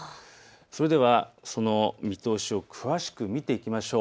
それではその見通しを詳しく見ていきましょう。